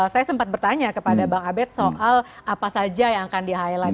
saya sempat bertanya kepada bang abed soal apa saja yang akan di highlight